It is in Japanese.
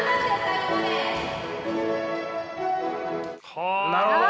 はあなるほど！